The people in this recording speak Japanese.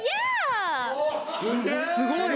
すごい！